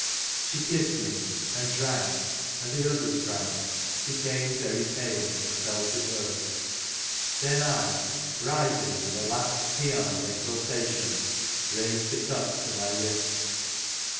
She kissed me, and drank, and the 24 OUTSIDE 25 others drank, became very pale, and fell to earth. Then I, rising with a last paean of exultation, raised the cup to my lips.